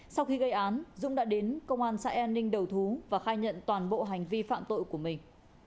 sau khi gây án dũng đã đến công an xã an ninh đầu thú và khai nhận toàn bộ hành vi phạm tội của mình